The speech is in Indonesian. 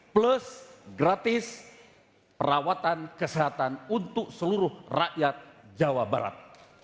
plus gratis perawatan kesehatan untuk seluruh rakyat jawa barat